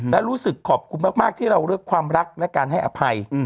และรู้สึกขอบคุณมากที่เราเลือกความรักและการให้อภัย